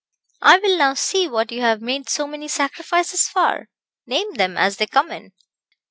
"I will now see what you have made so many sacrifices for. Name them as they come in."